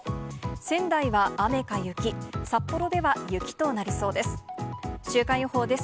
仙台は雨か雪、札幌では雪となりそうです。